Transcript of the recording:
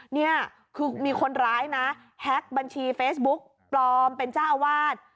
นี่คือมีคนร้ายนะแฮ็กบัญชีเฟซบุ๊กปลอมเป็นเจ้าอาวาส